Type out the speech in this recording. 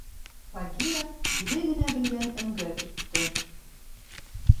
Багира үҙе генә белгән өңгә китте.